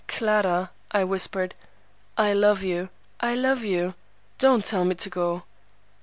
"'Clara!' I whispered, 'I love you! I love you! Don't tell me to go.